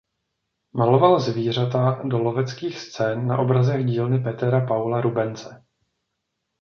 Maloval zvířata do loveckých scén na obrazech dílny Petera Paula Rubense.